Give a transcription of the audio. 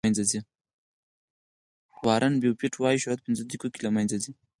وارن بوفیټ وایي شهرت په پنځه دقیقو کې له منځه ځي.